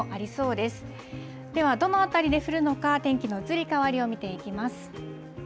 ではどの辺りで降るのか、天気の移り変わりを見ていきます。